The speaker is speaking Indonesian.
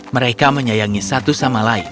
mereka menyayangi satu sama lain